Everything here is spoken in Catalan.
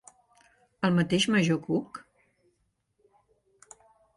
El mateix major Cook?